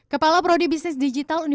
kepala prodi bisnis digital universitas